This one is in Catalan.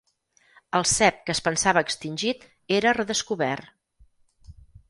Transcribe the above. El cep que es pensava extingit era redescobert.